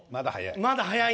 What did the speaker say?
まだ早い？